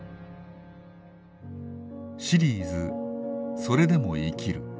シリーズ「それでも生きる」